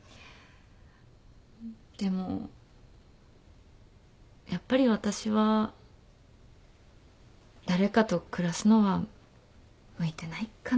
でもやっぱり私は誰かと暮らすのは向いてないかな。